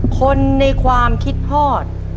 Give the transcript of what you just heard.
คนในความคิดฮอด